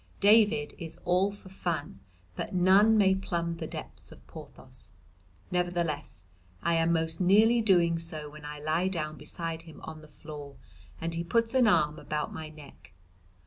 David is all for fun, but none may plumb the depths of Porthos. Nevertheless I am most nearly doing so when I lie down beside him on the floor and he puts an arm about my neck.